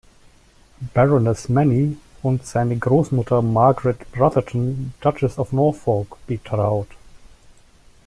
Baroness Manny, und seine Großmutter Margaret Brotherton, Duchess of Norfolk, betraut.